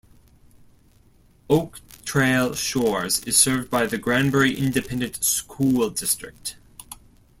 Oak Trail Shores is served by the Granbury Independent School District.